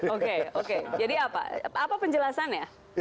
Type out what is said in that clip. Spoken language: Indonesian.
oke oke jadi apa penjelasannya